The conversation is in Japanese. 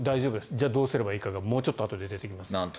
じゃあどうすればいいかがもうちょっとあとで出てきます。